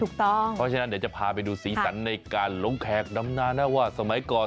เพราะฉะนั้นเดี๋ยวจะพาไปดูสีสันในการหลงแขกดำนานะว่าสมัยก่อน